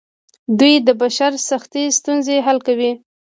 دوی د بشر سختې ستونزې حل کوي.